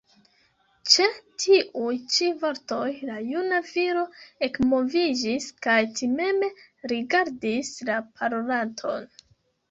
Ĉe tiuj ĉi vortoj la juna viro ekmoviĝis kaj timeme rigardis la parolanton.